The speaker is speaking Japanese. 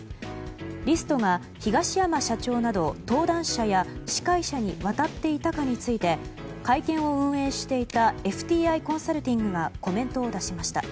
リストが東山社長など登壇者や司会者に渡っていたかについて会見を運営していたＦＴＩコンサルティングがコメントを出しました。